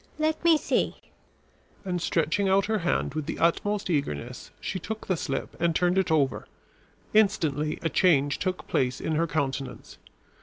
"Let me see." And stretching out her hand with the utmost eagerness, she took the slip and turned it over. Instantly a change took place in her countenance.